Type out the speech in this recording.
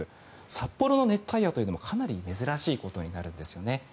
札幌の熱帯夜というのもかなり珍しいことなんですよね。